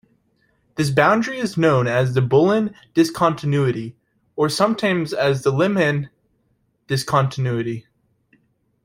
This boundary is known as the Bullen discontinuity, or sometimes as the Lehmann discontinuity.